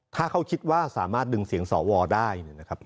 ถ้าเขาคิดว่าสามารถดึงเสียงสวได้